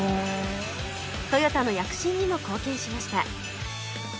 トヨタの躍進にも貢献しました